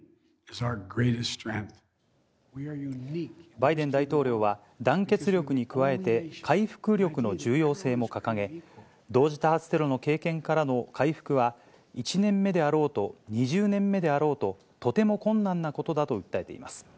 バイデン大統領は、団結力に加えて、回復力の重要性も掲げ、同時多発テロの経験からの回復は、１年目であろうと、２０年目であろうと、とても困難なことだと訴えています。